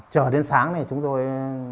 chờ đến sáng này chúng tôi